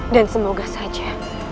dan semoga saja